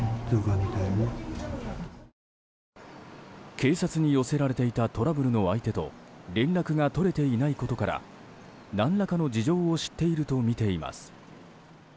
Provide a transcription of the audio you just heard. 警察に寄せられていたトラブルの相手と連絡が取れていないことから何らかの事情を知っているとみています。